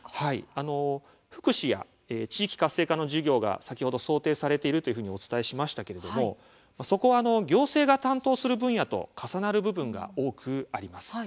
福祉や地域活性化などの事業が想定されているとお伝えしましたが、そこは行政が担当する分野と重なる部分が多くあります。